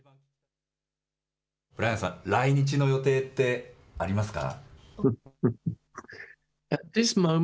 ブライアンさん、来日の予定ってありますか。